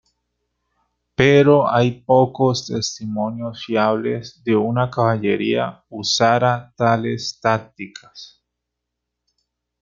Pero, hay pocos testimonios fiables de una caballería usara tales tácticas.